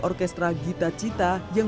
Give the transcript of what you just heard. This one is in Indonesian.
orkestra gita cita yang